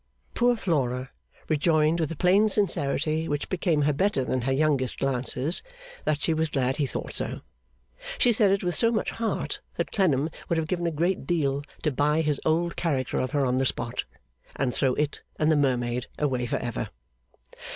Poor Flora rejoined with a plain sincerity which became her better than her youngest glances, that she was glad he thought so. She said it with so much heart that Clennam would have given a great deal to buy his old character of her on the spot, and throw it and the mermaid away for ever.